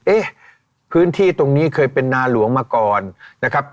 เอ๊ะพื้นที่ตรงนี้เคยเป็นนาหลวงมาก่อนนะครับ